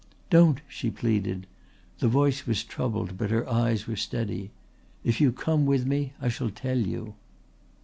"Don't," she pleaded; the voice was troubled but her eyes were steady. "If you come with me I shall tell you."